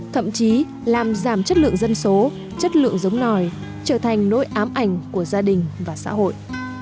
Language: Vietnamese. thậm chí làm giảm chất lượng dân số chất lượng giống nòi trở thành nỗi ám ảnh của gia đình và xã hội